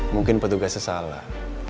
mungkin petugasnya salah